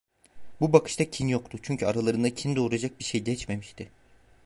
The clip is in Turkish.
Bu bakışta kin yoktu, çünkü aralarında kin doğuracak bir şey geçmemişti.